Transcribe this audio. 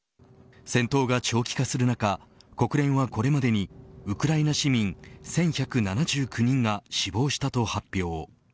戦闘が長期化する中国連はこれまでにウクライナ市民１１７９人が死亡したと発表。